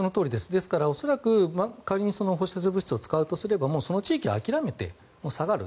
ですから恐らく仮に放射性物質を使うとすればもうその地域は諦めて下がる。